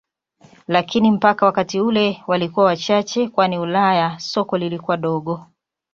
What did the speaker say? Lakini mpaka wakati ule walikuwa wachache kwani Ulaya soko lilikuwa dogo.